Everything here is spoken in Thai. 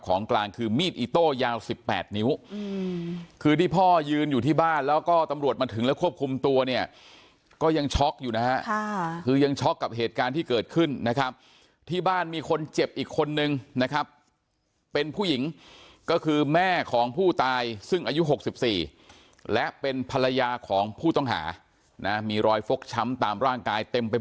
กลางคือมีดอิโต้ยาว๑๘นิ้วคือที่พ่อยืนอยู่ที่บ้านแล้วก็ตำรวจมาถึงแล้วควบคุมตัวเนี่ยก็ยังช็อกอยู่นะฮะคือยังช็อกกับเหตุการณ์ที่เกิดขึ้นนะครับที่บ้านมีคนเจ็บอีกคนนึงนะครับเป็นผู้หญิงก็คือแม่ของผู้ตายซึ่งอายุ๖๔และเป็นภรรยาของผู้ต้องหานะมีรอยฟกช้ำตามร่างกายเต็มไป